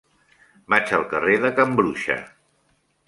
Vaig al carrer de Can Bruixa.